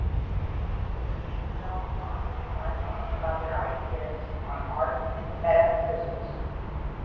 They developed an ongoing dialogue about their ideas on art and metaphysics.